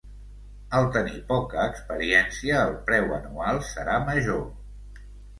Al tenir poca experiència, el preu anual serà major.